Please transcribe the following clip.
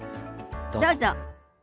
どうぞ。